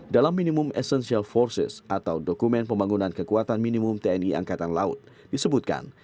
dalam minimum essential forces atau dokumen pembangunan kekuatan minimum tni angkatan laut disebutkan